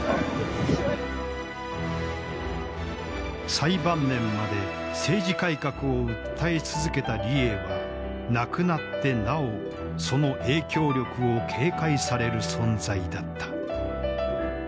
最晩年まで政治改革を訴え続けた李鋭は亡くなってなおその影響力を警戒される存在だった。